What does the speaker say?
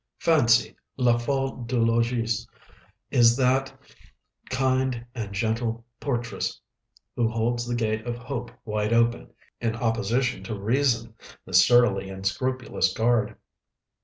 Fancy, la folle du logis, is "that kind and gentle portress who holds the gate of Hope wide open, in opposition to Reason, the surly and scrupulous guard."